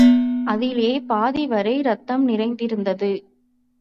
அதிலே பாதிவரை இரத்தம் நிறைந்திருந்தது.